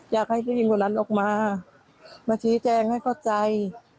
อยากให้ผู้หญิงคนนั้นออกมามาชี้แจงให้เข้าใจ